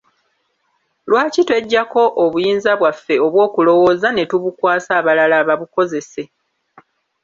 Lwaki tweggyako obuyinza bwaffe obw'okulowooza ne tubukwasa abalala babukozese?